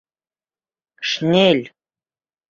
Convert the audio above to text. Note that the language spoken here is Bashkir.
— Шнель!